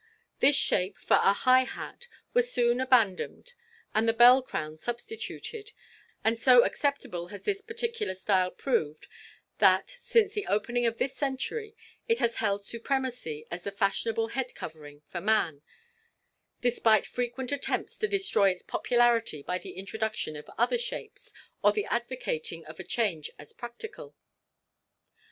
This shape for a high hat was soon abandoned and the bell crown substituted, and so acceptable has this particular style proved that, since the opening of this century, it has held supremacy as the fashionable head covering for man, despite frequent attempts to destroy its popularity by the introduction of other shapes, or the advocating of a change as practical.